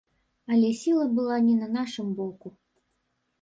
Але сіла была не на нашым боку.